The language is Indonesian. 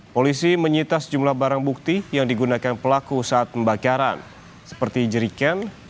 polisi menyita sejumlah barang bukti yang digunakan pelaku saat pembakaran seperti jeriken